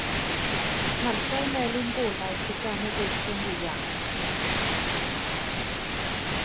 Marciau melyn golau sydd gan y gweision ieuanc.